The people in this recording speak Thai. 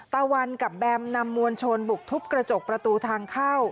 ตะวันกับแบมนำมวลชนบุกทุบกระจกประตูทางเข้า